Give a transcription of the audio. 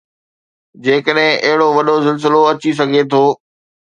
جيڪڏهن اهڙو وڏو زلزلو اچي سگهي ٿو.